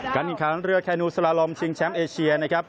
กันอีกครั้งเรือแคนูสลารมชิงแชมป์เอเชียนะครับ